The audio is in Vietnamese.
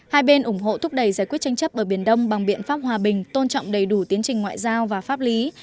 hai bên ủng hộ thúc đẩy giải quyết tranh chấp bờ biển đông bằng biện pháp hòa bình tôn trọng đầy đủ tiến trình ngoại giao và pháp lý